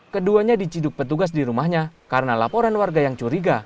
keduanya diciduk petugas di rumahnya karena laporan warga yang curiga